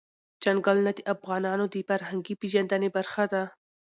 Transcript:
چنګلونه د افغانانو د فرهنګي پیژندنې برخه ده.